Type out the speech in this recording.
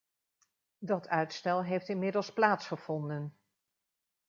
Dat uitstel heeft inmiddels plaatsgevonden.